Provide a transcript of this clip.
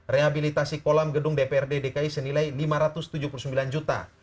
rehabilitasi kolam gedung dprd dki senilai lima ratus tujuh puluh sembilan juta